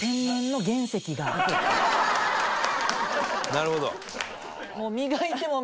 なるほど。